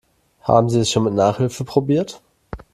Haben Sie es schon mit Nachhilfe probiert?